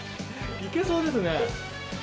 いけそうですね。